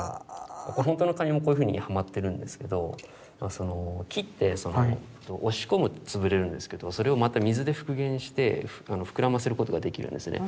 ほんとのカニもこういうふうにはまってるんですけど木って押し込むと潰れるんですけどそれをまた水で復元して膨らませることができるんですね。